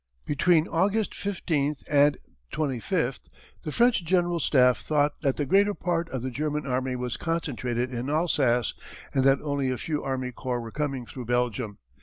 Between August 15 and 25 the French General Staff thought that the greater part of the German army was concentrated in Alsace and that only a few army corps were coming through Belgium.